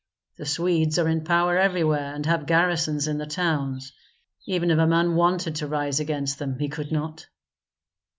The Swedes are in power everywhere, and have garrisons in the towns. Even if a man wanted to rise against them, he could not."